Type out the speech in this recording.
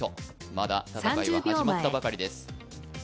まだ戦いは始まったばかりです。